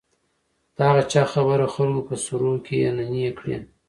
د هغه چا خبره خلکو په سروو کې يې نينې کړې .